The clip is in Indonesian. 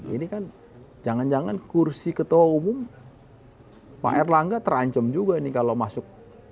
ini kan jangan jangan kursi ketua umum pak erlangga terancam juga ini kalau masuk